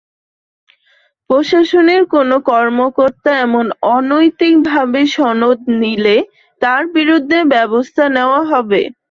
প্রশাসনের কোনো কর্মকর্তা এমন অনৈতিকভাবে সনদ নিলে তাঁর বিরুদ্ধে ব্যবস্থা নেওয়া হবে।